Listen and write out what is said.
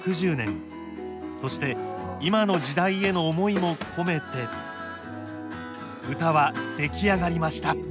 ６０年そして今の時代への思いも込めて歌は出来上がりました。